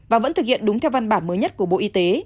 và vẫn thực hiện đúng theo văn bản mới nhất của bộ y tế